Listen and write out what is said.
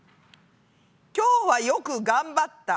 「今日はよくがんばった。